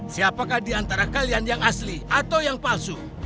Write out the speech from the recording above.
siapakah di antara kalian yang asli atau yang palsu